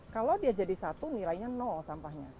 kalau dia jadi satu nilainya nol sampahnya